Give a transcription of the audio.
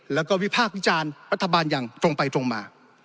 แล้วก็วิพากษ์วิจารณ์รัฐบาลอย่างตรงไปตรงมา